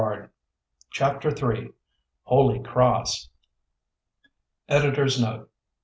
CHAPTER III HOLY CROSS EDITOR'S NOTE.